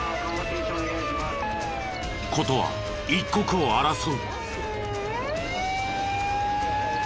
事は一刻を争う。